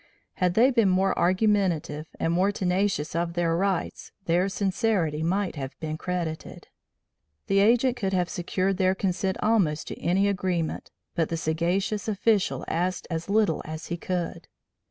Had they been more argumentative and more tenacious of their rights, their sincerity might have been credited. The Agent could have secured their consent almost to any agreement, but the sagacious official asked as little as he could.